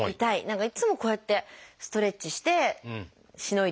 何かいつもこうやってストレッチしてしのいでます。